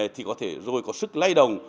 thì có thể rồi có sức lây đồng